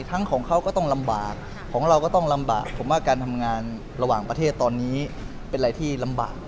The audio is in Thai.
ของเขาก็ต้องลำบากของเราก็ต้องลำบากผมว่าการทำงานระหว่างประเทศตอนนี้เป็นอะไรที่ลำบาก